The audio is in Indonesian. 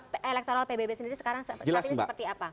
saat ini seperti apa